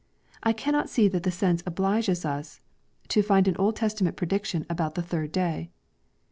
I cannot see that the sense obliges us to find an Old Testament prediction about the third day.